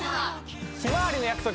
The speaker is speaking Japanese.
ひまわりの約束。